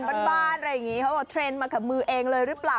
บ้านเขาบอกเทรนด์มากับมือเองเลยหรือเปล่า